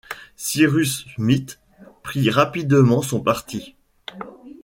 Cyrus Smith prit rapidement son parti